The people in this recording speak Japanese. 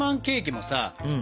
もさ